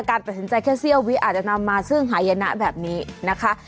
การตัดสินใจแค่เสี้ยววิอาจจะนำมาซึ่งหายนะแบบนี้นะคะ